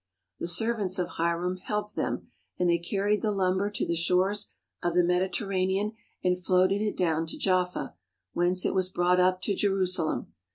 The servants of Hiram helped them, and they carried the lumber to the shores of the Mediter ranean and floated it down to Jaffa, whence it was brought up to Jerusalem.